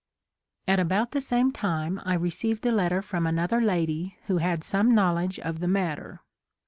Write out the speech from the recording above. At about the same time I received a letter from another lady who had some knowledge of the matter.